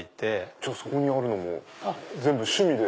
じゃあそこにあるのも全部趣味で？